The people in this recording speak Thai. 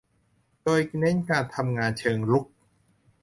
โดยเน้นการทำงานเชิงรุก